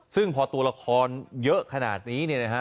ซึ่งพอตัวละครเยอะขนาดนี้เนี่ยนะฮะ